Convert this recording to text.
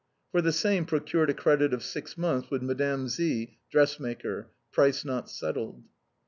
For the same, procured a credit of six months with Mme. Z , dress maker. (Price not settled.)